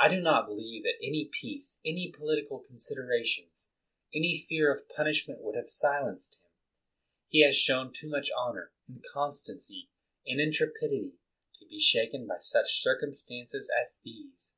I do not believe that any peace, any po litical considerations, any fear of punishment would have silenced him. He has shown too much honor, and constancy, and intrepidity, to be shaken by such circumstances as these.